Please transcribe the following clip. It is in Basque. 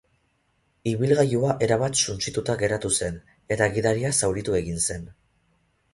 Ibilgailua erabat suntsituta geratu zen eta gidaria zauritu egin zen.